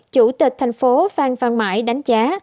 chủ tịch thành phố phan phan mãi đánh giá